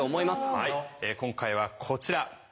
はい今回はこちら！